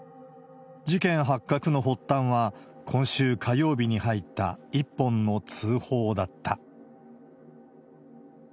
事件発覚の発端は、今週火曜日に入った一本の通報だった。